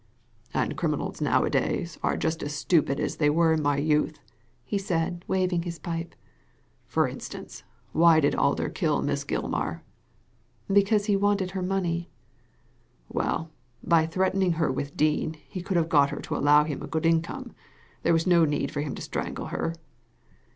"And criminals nowadays are just as stupid as they were in my youth," he said, waving his pipe. " For instance, why did Alder kill Miss Gilmar ?" "Because he wanted her money." "Well, by threatening her with Dean he could have got her to allow him a good income. There was no need for him to strangle her."